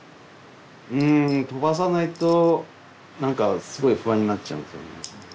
うん飛ばさないと何かすごい不安になっちゃうんですよね。